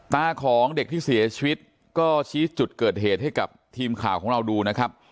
ของเด็กที่เสียชีวิตก็ชี้จุดเกิดเหตุให้กับทีมข่าวของเราดูนะครับ